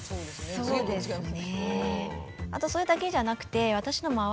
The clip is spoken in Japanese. そうですね。